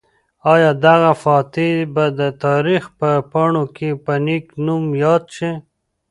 آیا دغه فاتح به د تاریخ په پاڼو کې په نېک نوم یاد شي؟